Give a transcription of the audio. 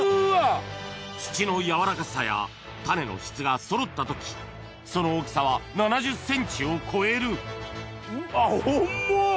土の軟らかさや種の質がそろった時その大きさは７０ｃｍを超えるあっ重っ！